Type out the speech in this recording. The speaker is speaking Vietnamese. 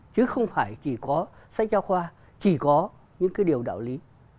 chứ không phải chỉ có sách giáo khoa chỉ có những cái điều đạo lý